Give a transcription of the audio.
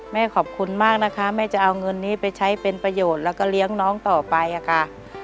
แม่ขอบคุณมากนะคะแม่จะเอาเงินนี้ไปใช้เป็นประโยชน์แล้วก็เลี้ยงน้องต่อไปค่ะ